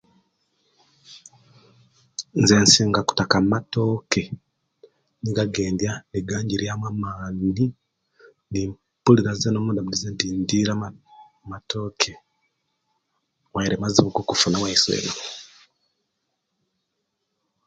Nze nsinga kutaka matoke nigo agendya neganjirya amani nimpulira nzena omunda mudinti indire amatoke waire mazibu go kufuna owaisu eno